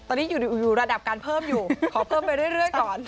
ตอนนี้อยู่ระดับการเพิ่มอยู่ขอเพิ่มไปเรื่อยก่อน